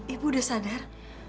ibu udah sadar